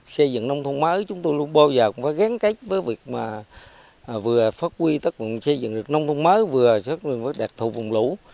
xây dựng nông thôn mới chúng tôi luôn bao giờ gắn kết với việc vừa phát huy tất cả xây dựng nông thôn mới vừa đặc thù vùng lũ